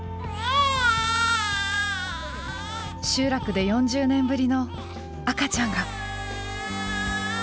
集落で４０年ぶりの赤ちゃんが。